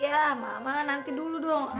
ya mama nanti dulu dong